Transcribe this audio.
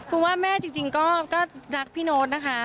คือว่าแม่จริงก็รักพี่โน๊ตนะคะ